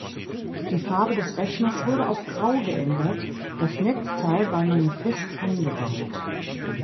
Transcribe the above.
Die Farbe des Rechners wurde auf grau geändert, das Netzteil war nun fest eingebaut.